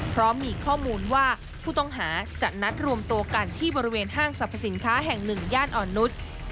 พร้อมมีข้อมูลว่าผู้ต้องหาจะนัดรวมตัวกันที่บริเวณห้างสรรพสินค้าแห่งหนึ่งย่านอ่อนนุษย์